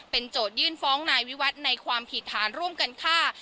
โจทยื่นฟ้องนายวิวัตรในความผิดฐานร่วมกันฆ่า